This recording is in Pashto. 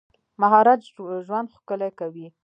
مهارت ژوند ښکلی کوي.